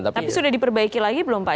tapi sudah diperbaiki lagi belum pak